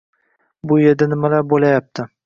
Bu yerda nimalar bo’layapti?